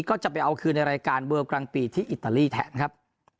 ก็จะไปเอาคืนในรายการเวิร์ลกลางปีที่อิตาลีแทนครับ